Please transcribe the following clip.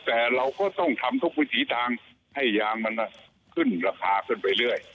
แต่เราก็ต้องทำทุกวิถีทางให้ยางมันขึ้นราคาขึ้นไปเรื่อย